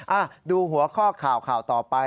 อ่ะดูหัวข้อข่าวข่าวต่อไป